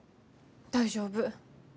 大丈夫。